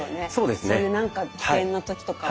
そういうなんか危険な時とかも。